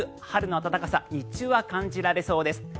春の暖かさ日中は感じられそうです。